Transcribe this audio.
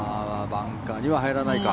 バンカーには入らないか。